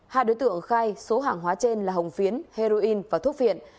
hai đối tượng khai số hàng hóa trên là hồng phiến heroin và thuốc viện